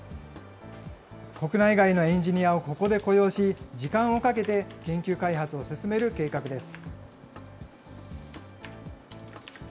国内外のエンジニアをここで雇用し、時間をかけて研究開発を進める計画です。